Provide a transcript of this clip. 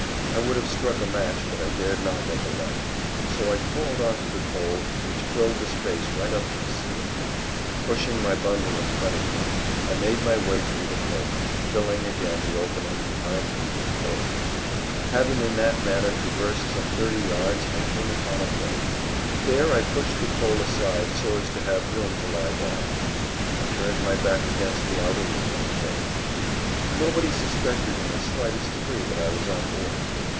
I would have struck a match, but I dared not make a light. So I crawled onto the coal which filled the space right up to the ceiling. Pushing my bundle in front of me I made my way through the coal, filling again the opening behind me with coal. Having in that manner traversed some thirty yards I came upon a wall. There I pushed the coal aside so as to have room to lie down. I turned my back against the outer wall of the boat. Nobody suspected in the slightest degree that I was on board.